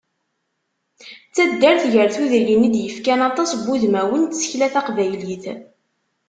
D taddart gar tudrin, i d-yefkan aṭas n wudmawen n tsekla taqbaylit.